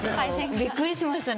びっくりしましたね